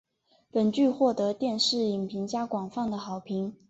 本剧获得电视影评家广泛的好评。